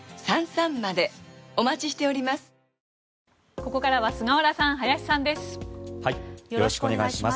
ここからは菅原さん、林さんです。